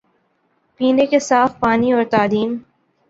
پینے کے صاف پانی اور تعلیم